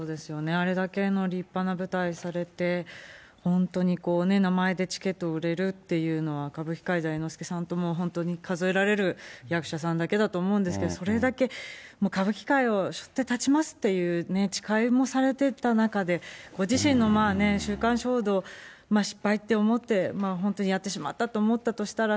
あれだけの立派な舞台されて、本当に、名前でチケット売れるっていうのは、歌舞伎界では猿之助さんともう本当に数えられる役者さんだけだと思うんですけど、それだけ歌舞伎界をしょって立ちますっていう誓いもされてた中で、ご自身の週刊誌報道、失敗って思って、本当にやってしまったと思ったとしたら、